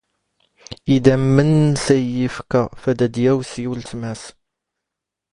ⵉⴷⴰⵎⵎⵏ ⵏⵏⵙ ⴰⵢ ⵉⴼⴽⴰ ⴼⴰⴷ ⴰⴷ ⵢⴰⵡⵙ ⵉ ⵓⵍⵜⵎⴰⵙ.